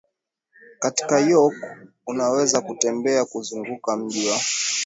Katika York unaweza kutembea kuzunguka Mji wa